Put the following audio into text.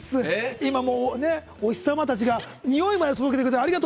今、お日様たちがにおいまで届けてくれてありがとう！